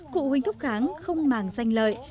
cụ huỳnh thúc kháng không màng danh lợi